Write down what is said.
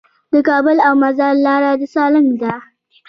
د کابل او مزار لاره د سالنګ ده